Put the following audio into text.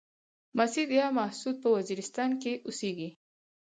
مسيد يا محسود په وزيرستان کې اوسيږي.